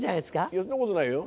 いやそんなことないよ。